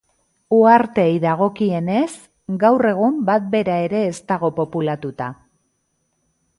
Uharteei dagokienez, gaur egun bat bera ere ez dago populatuta.